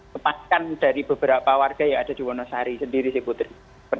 tepatkan dari beberapa warga yang ada di wonosari sendiri sih putri